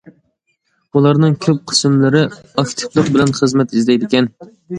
ئۇلارنىڭ كۆپ قىسىملىرى ئاكتىپلىق بىلەن خىزمەت ئىزدەيدىكەن.